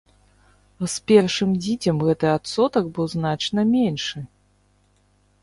З першым дзіцем гэты адсотак быў значна меншы.